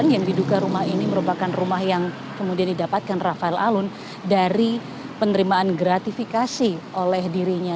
yang diduga rumah ini merupakan rumah yang kemudian didapatkan rafael alun dari penerimaan gratifikasi oleh dirinya